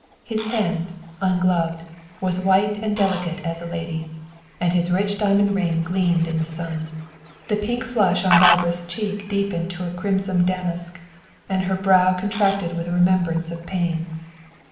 His hand, ungloved, was white and delicate as a lady's, and his rich diamond ring gleamed in the sun. The pink flush on Barbara's cheek deepened to a crimson damask, and her brow contracted with a remembrance of pain.